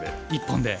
１本で。